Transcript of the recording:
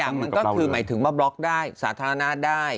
อย่างมันก็คือหมายถึงว่าบล็อกได้สาธารณะได้